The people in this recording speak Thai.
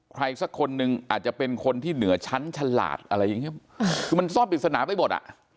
ใครสักคนนึงอาจจะเป็นคนที่เหนือชั้นฉลาดอะไรอย่างเงี้ยคือมันซ่อมปริศนาไปหมดอ่ะ